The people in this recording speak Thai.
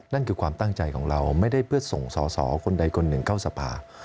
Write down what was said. นั่นคือความตั้งใจของเราไม่ได้เพื่อส่งสอสอคนใดคนหนึ่งเข้าสภา